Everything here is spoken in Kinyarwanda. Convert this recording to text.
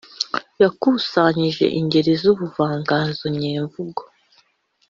yakusanyije ingeri z’ubuvanganzo nyemvugo